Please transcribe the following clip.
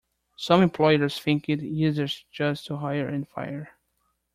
Some employers think it easiest just to hire and fire.